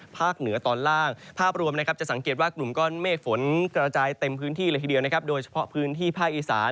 เหนือตอนล่างภาพรวมนะครับจะสังเกตว่ากลุ่มก้อนเมฆฝนกระจายเต็มพื้นที่เลยทีเดียวนะครับโดยเฉพาะพื้นที่ภาคอีสาน